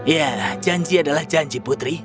ya janji adalah janji putri